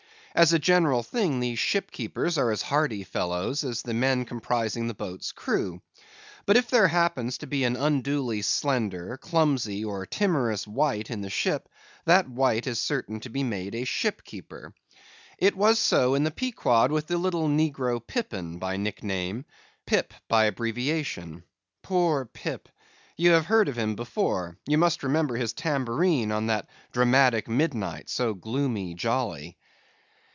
As a general thing, these ship keepers are as hardy fellows as the men comprising the boats' crews. But if there happen to be an unduly slender, clumsy, or timorous wight in the ship, that wight is certain to be made a ship keeper. It was so in the Pequod with the little negro Pippin by nick name, Pip by abbreviation. Poor Pip! ye have heard of him before; ye must remember his tambourine on that dramatic midnight, so gloomy jolly.